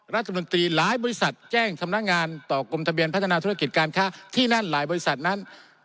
รัฐมนตรีหลายบริษัทแจ้งสำนักงานต่อกรมทะเบียนพัฒนาธุรกิจการค้าที่นั่นหลายบริษัทนั้น